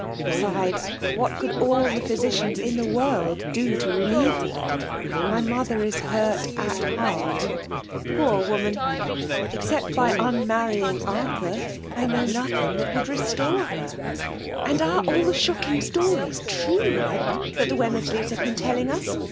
Besides, what could all the fliysidans in the world do to relieve her3 My mother is hurt at heart*' 84 F£MALir BOMIXiFATlON.i •Poor woman T* :«• £bccept by unmarrjing Arthur, I 'know nothing that would restore her.^ " And are all the shocking stories true, the«> that the Wemmcrsleys have been telling us?